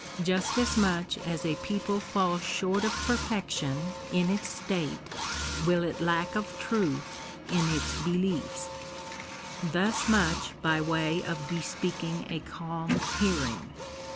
Just as much as a people falls short of perfection in its state, will it lack of truth in its Thus much by way of bespeaking a calm hearing.